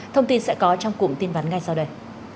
thông tin sẽ có trong cụm tin vắn ngay sau đây